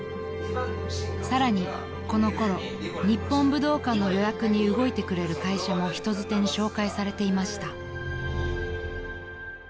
［さらにこの頃日本武道館の予約に動いてくれる会社も人づてに紹介されていました］